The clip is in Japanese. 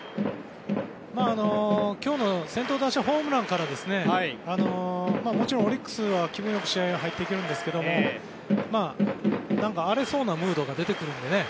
今日の先頭打者ホームランからもちろんオリックスは気分良く試合に入っていけるんですけど荒れそうなムードが出てくるのでね。